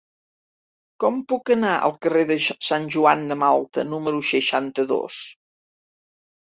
Com puc anar al carrer de Sant Joan de Malta número seixanta-dos?